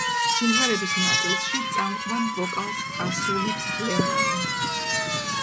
სიმღერების ნაწილში წამყვან ვოკალს ასრულებს ლენონი.